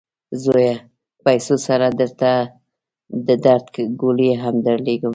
زویه! پیسو سره درته د درد ګولۍ هم درلیږم.